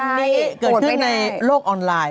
อันนี้เกิดขึ้นในโลกออนไลน์